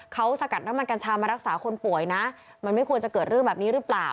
เขาสกัดน้ำมันกัญชามารักษาคนป่วยนะมันไม่ควรจะเกิดเรื่องแบบนี้หรือเปล่า